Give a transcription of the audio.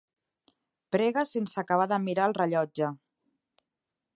Prega sense acabar de mirar el rellotge.